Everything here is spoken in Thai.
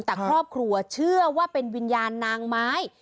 แต่ครอบครัวเชื่อว่าเป็นวิญญาณนางไม้